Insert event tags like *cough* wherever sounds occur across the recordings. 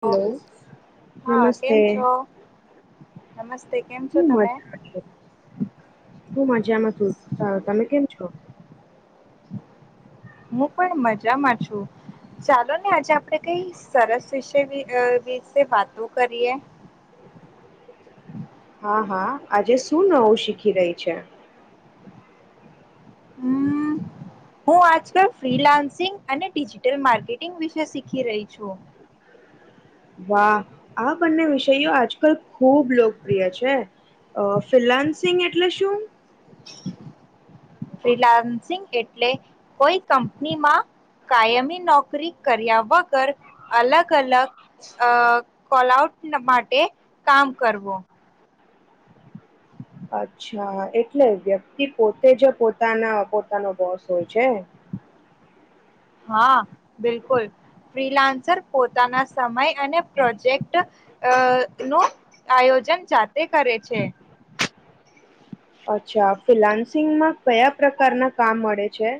Hello હા નમસ્તે કેમ છો નમસ્તે કેમ છો હું તમે મજામાં હું મજામાં છુ તમે કેમ છો હું પણ મજામાં છું ચાલો ને આજે આપણેે કંઈ સરસ વિષય વિઅ વિશે વાતો કરીએ હા હા આજે શું નવું શીખી રહી છે? હમ હું આજકાલ ફ્રીલાન્સિંગ અને ડિજિટલ માર્કેટિંગ વિશે શીખી રહી છું વાહ! આવા બંને વિષયો આજકાલ ખુબ લોકપ્રિય છે. ફિલાન્સિંગ એટલે શું? ફિલાયન્સિંગ એટલે કોઈ કંપનીમાં કાયમી નોક કરી કર્યા વગર અલગ અલગ અ કોલ આઉટ ના માટે કામ કરવો અચ્છા એટલે વ્યક્તિ પોતે જ પોતાના પોતાનો બોસ હોય છે હા બિલકુલ ફ્રીલાન્સર પોતાના સમય અને પ્રોજેક્ટ નું આયોજન જાતે કરે છે. અચ્છા ફિનાન્સિંગમાં કયા પ્રકારના કામ મળે છે.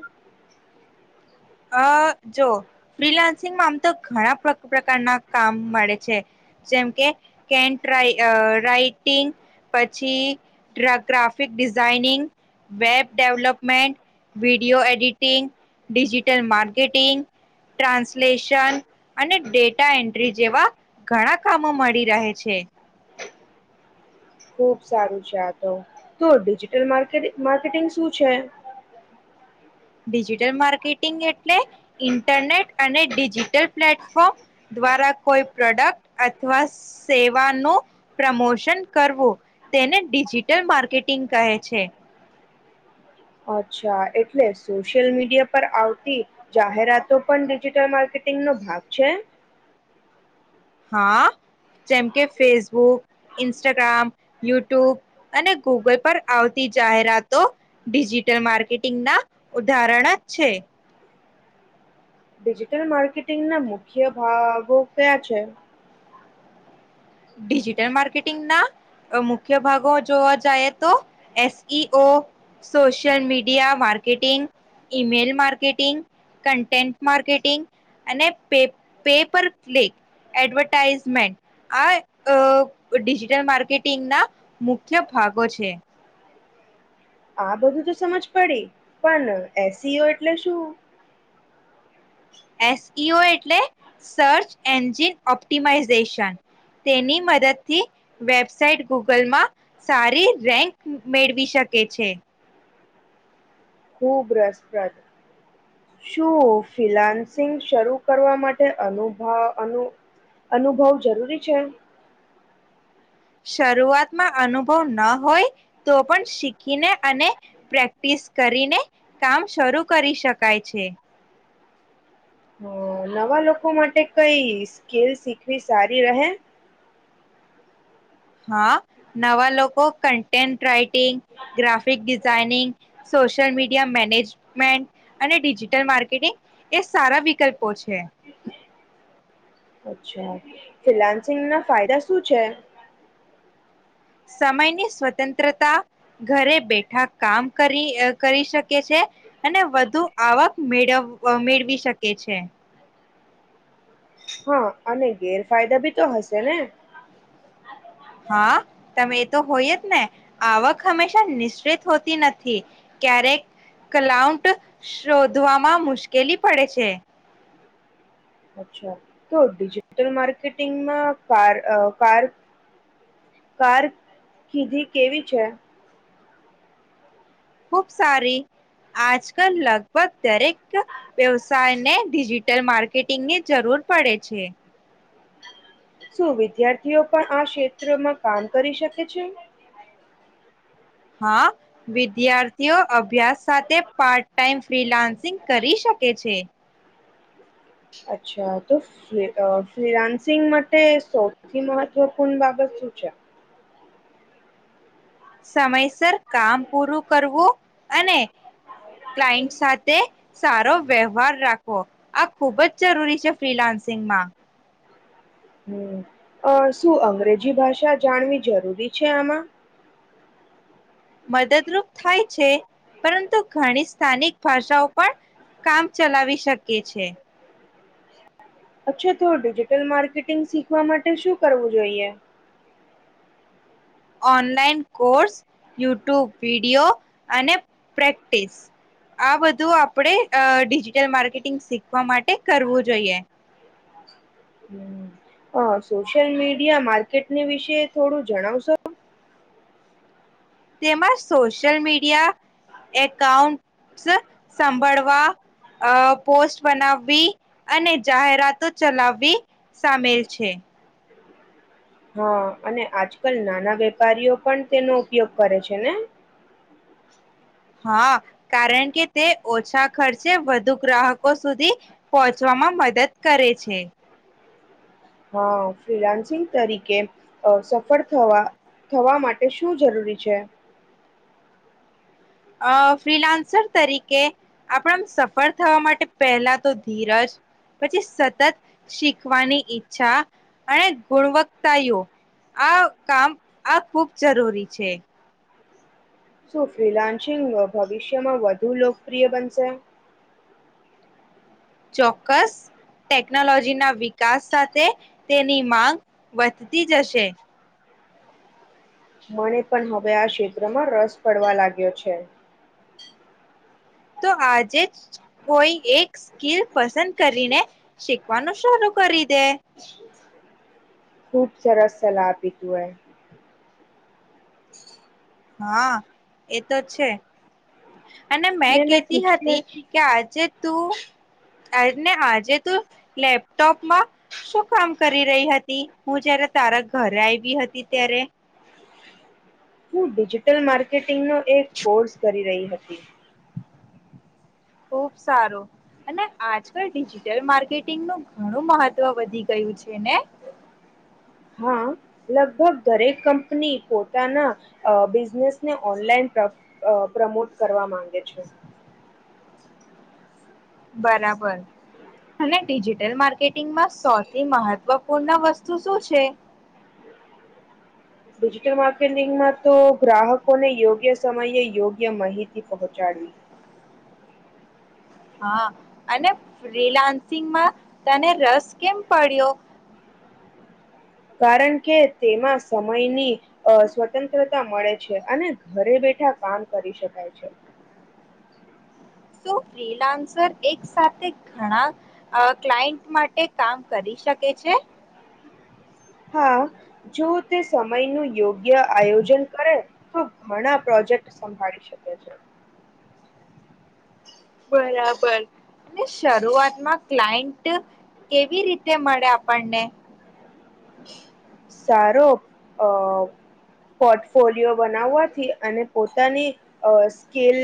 હ જો. રિલાયન્સિ મામ. તો ઘણા પ્રકારના કામ મળે છે જેમ કે કે રાઈટિંગ પછી ડ્રગ્રાફ. ફિક ડિઝાઇનિંગ વેબ ડેવલપમેન્ટ વ video editing. Digital marketing, translation અને ડેટા એન્ટ્રી જેવા ઘણા કામો મળી રહે છે. ખુબ સારું છે આ તો તો ડિજિટલ માર્કે માર્કેટિંગ શું છે? ડિજિટલ માર્કેટિંગ એટલે ઇન્ટરનેટ અને ડિજિટલ પ્લેટફોર્મ દ્વારા કોઈ પ્રોડક્ટ અથવા સેવાનું પ્રમોશન કરવું, તેને ડિજિટલ માર્કેટિંગ કહે છે. અચ્છા એટલે સોશિયલ મીડિયા પર આવતી જાહેરાતો પણ ડિજિટલ માર્કેટિંગનો ભાગ છે? હા, જેમ કે ફેસબુક, ઇન્સ્ટાગ્રામ, યુટ્યુબ અને ગૂગલ પર આવતી જાહેરાતો ડિજિટલ માર્કેટિંગના ઉદાહરણ જ છે. ડિજિટલ માર્કેટિંગના મુખ્ય ભાગો કયા છે? ડિજિટલ માર્કેટિંગના મુખ્ય ભાગો જોવા જાયે તો S E O social media marketing, email marketing, content marketing અને પે પેપર ક્લિક એડવર્ટાાઈઝમેન્ટ આ અ ગ ડિજિટલ માર્કેટિંગના મુખ્ય ભાગો છે. આ બધું તો સમજ પડી પણ એસ ઈ ઓ એટલે શું? એસ ઇ ઓ એટલે સર્ચ એન્ જિન ઓપ્ટિમાાઈઝેશન. તેની મદદથી વેબસાઇટ ગૂગલમાં સારી રેન્ક મેળવી શકે છે. ખૂબ રસપ્રદ, શું ફ્રિલાન્સિંગ શરૂ કરવા માટે અનુભા અનુ અનુભવ જરૂરી છે? શરૂઆતમાં અનુભવ ન હોય તો પણ શીખીને અને પ્રેક્ટિસ કરીને કામ શરૂ કરી શકાય છે. હં નવા લોકો માટે કંઈ સ્કીલ શીખવી સારી રહે? હા, નવા લોકો content writing graphic designing social media management અને ડિજિટલ માર્કેટિંગ એ સારા વિકલ્પો છે. અચ્છા ફિલાન્સિંગ ના ફાયદા શું છે. સમયની સ્વતંત્રતા ઘરે બેઠા કામ કરી કરી શકે છે અને વધુ આવક મેળવ મેળવી શકે છે. હા અને ગેરફાયદા ભી તો હશે ને. હા તમે એ તો હોઈ તા ને. આવક હંમેશા શિત હોતી નથી ક્યારેક કલાઉન્ટ શોધવામાં મુશ્કેલી પડે છે. અચ્છા તો ડિજિટલ માર્કેટિંગમાં કાર અ કાર કાર કીધી કેવી છે. ખુબ સારી આજ કલ લગભગ દરેક વ્યવસાયને ડિજિટલ માર્કેટિંગની જરૂર પડે છે. શું વિદ્યાર્થીઓ પણ આ ક્ષેત્રમાં કામ કરી શકે છે. હા વિદ્યાર્થીઓ અભ્યાસ સાથે પાર્ટ ટાઈમ ફ્રીલાાન્સિંગ કરી શકે છે. અચ્છા. તો ફી ફિલાન્સિંગ માટે સૌથી મહત્વપૂર્ણ બાબત શું છે. સમયસર કામ પૂરું કરવું અને, ક્લાયન્ટ સાથે સારો વ્યવહાર રાખવો આ ખુબ જ જરૂરી છે ફ્રીલાન્સિંગમાં. હમ્મ અ શું અંગ્રેજી ભાષા જાણવી જરૂરી છે. આમાં મદદરૂપ થાય છે પરંતુ ઘણી સ્થાનિક ભાષાઓ પણ કામ ચલાવી શકે છે. અચ્છા તો ડિજિટલ માર્કેટિંગ શીખવા માટે શું કરવું જોઈએ. ઓનલાઈન કોર્સ યુટ્યુબ વિડીયો અને પ્રેક્ટિસ આ બધું આપણે અ ડિજિટલ માર્કેટિંગ શીખવા માટે કરવું જોઈએ. આ સોશિયલ મીડિયા માર્કેટની વિશે થોડું જણાવશો. તેમાં સોશિયલ મીડિયા. એકાઉન્ટસ સંભાળવા. અ પોસ્ટ બનાવવી અને જાહેરાતો ચલાવવી સામેલ છે. હા અને આજકાલ નાના વેપારીઓ પણ તેનો ઉપયોગ કરે છે ને હા કારણ કે તે ઓછા ખર્ચે વધુ ગ્રાહકો સુધી પહોંચવામાં મદદ કરે છે. હા ફિલાન્સિંગ તરીકે અ સફળ થવા થવા માટે શું જરૂરી છે. અ ફ્રીલાન્સર તરીકે આપણા સફળ થવા માટે પહેલા તો ધીરજ પછી સતત શીખવાની ઈચ્છા અને ગુણવત્તાયો આ કામ આ ખૂબ જરૂરી છે. શું ફ્રીલાસિન્ગ ભવિષ્યમાં વધુ લોકપ્રિય બનશે. ચોક્કસ ટેકનોલોજી ના વિકાસ સાથે. તેની માંગ. વધતી જશે. મને પણ હવે આ ક્ષેત્રમાં રસ પડવા લાગ્યો છે. તો આજે જ કોઈ એક સ્કીિલ પસંદ કરીને શીખવાનું શરૂ કરી દે. ખૂબ સરસ સલાહ પી તું એ. હા એતો છે. અને મેં કેતી હતી કે આજે. તુ આજને આજે તું લેપટોપમાં શું કામ કરી રહી હતી હું જય્યારે તારા ઘરે આવી હતી ત્યારે. હું ડિજિટલ માર્કેટ એક કોર્સ કરી રહી હતી. હમ્મ. ખુબ સારું અને આજકાલ ડિજિટલ માર્કેટિંગનું ઘણું મહત્વ વધી ગયું છે ને. હા લગભગ દરેક કંપની પોતાના અ બિઝનેસને ઓનલાઈન અ પ્રમોટ કરવા માંગે છે. બરાબર અને ડિજિટલ માર્કેટ માં સૌથી મહત્વપૂર્ણ વસ્તુ શું છે? ડિજિટલ માર્કેટિંગમાં તો ગ્રાહકોને યોગ્ય સમયે યોગ્ય માહિતી પહોંચાડવી. હા અને ફ્રીલાન્સિંગમાં તને રસ કેમ પડ્યો? કારણ કે તેમાં સમયની અ સ્વતંત્રતા મળે છે અને ઘરે બેઠા કામ કરી શકાય છે. શું ફ્રીલાન્સર એક સાથે ઘણા અ ક્લાયન્ટ માટે કામ કરી શકે છે? હા જો તે સમય નુ યોગ્ ય આયોજન કરે હા તો ઘણા પ્રોજેક્ટ સંભાળી શકે છે. બરાબર અને શરૂઆતમાં ક્લાયન્ટ કેવી રીતે મળે આપણને? સારો અ પોર્ટફોલિયો બનાવવાથી અને પોતાની અ સ્કીલ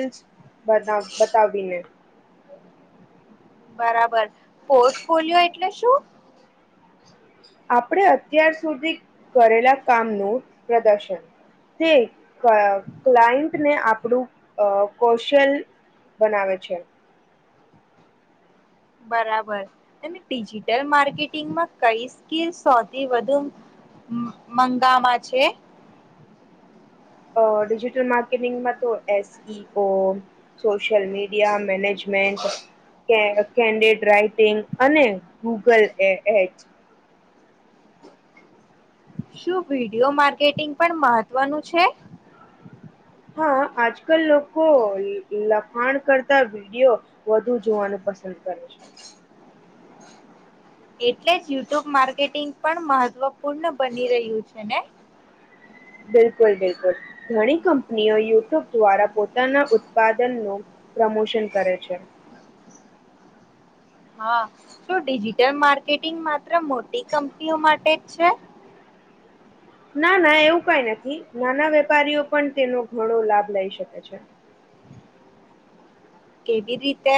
બના બતાવીને. બરાબર, પોર્ટ પોલિયો એટલે શું? આપણે અત્યાર સુધી કરેલા કામનું પ્રદર્શન, તે ક્લાયન્ટને આપણું અ કૌશલ બનાવે છે. બરાબર, અને ડિજિટલ માર્કેટિંગમાં કઈ સ્કીલ સૌથી વધુ મંગામાં છે? ડિજિટલ માર્કેટિંગ માં તો S E O, social media management. Content writing, અને ગૂગલ એ એચ. શું વિડિયો માર્કેટિંગ પણ મહત્વનું છે? હા આજ કલ લોકો લ લખાણ કરતા વિડિયો, વધુ જોવાનું પસંદ કરે છે. એટલે જ યુટ્યુબ માર્કેટિંગ પણ મહત્વપૂર્ણ બની રહ્યું છે ને. બિલકુલ બિલકુલ, ઘણી કંપનીઓ યુટ્યુબ દ્વારા પોતાના ઉત્પાદનનો પ્રમોશન કરે છે. હા, શું ડિજિટલ માર્કેટિંગ માત્ર મોટી કંપનીઓ માટે જ છે? ના ના એવું કઈ નથી નાના વેપારીઓ પણ તેનો ઘણો લાભ લઈ શકે છે. કેવી રીતે?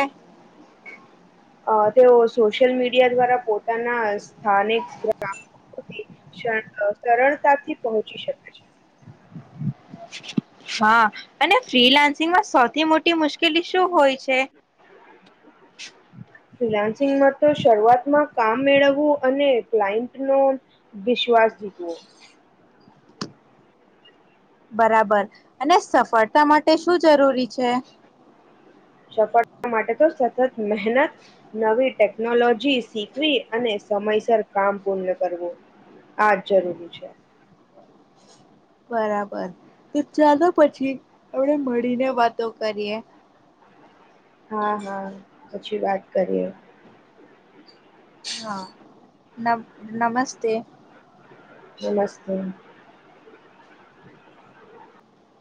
અ તેઓ સોશિયલ મીડિયા દ્વારા પોતાના સ્થાનિક ગ સરળતાથી પહોંચી શકે છે. હા અને ફ્રીલાન્સ માં સૌથી મોટી મુશ્કેલી શું હોય છે? ફ્રીલાન્સિંગમાં તો શરૂઆતમાં કામ મેળવવું અને ક્લાયન્ટ નો વિશ્વાસ જીતવો. બરાબર. અને સફળતા માટે તે શું જરૂરી છે? સફળતા માટે તો સતત મહેનત, નવી ટેક ટેકનોલોજી શીખવી અને સમયસર કામ પૂર્ણ કરવું, આ જ જરૂરી છે. બરાબર, તો ચાલો પછી આપણે મળીને વાતો કરીએ. હા હા. પછી વાત કરીએ. હા નમ નમસ્તે. નમસ્તે. *inaudible*